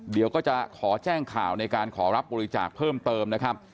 เดี๋ยวก็จะขอแจ้งข่าวในการขอรับบริจาคเพิ่มเติมนะครับ